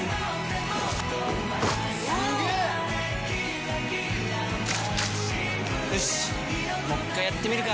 すげー‼よしっもう一回やってみるか！